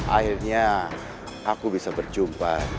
akhirnya aku bisa berjumpa